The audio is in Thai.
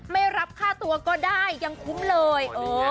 ไม่รับค่าตัวก็ได้ยังคุ้มเลย